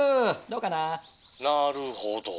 「なるほど」。